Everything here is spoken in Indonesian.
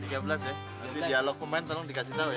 tiga belas ya nanti dialog pemain tolong dikasih tau ya